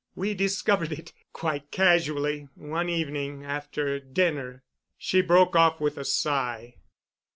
We discovered it quite casually one evening after dinner." She broke off with a sigh.